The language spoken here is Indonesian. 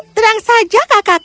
terang saja kakakku